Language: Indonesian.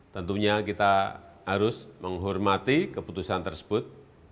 tentunya kita harus menghormati keputusan tersebut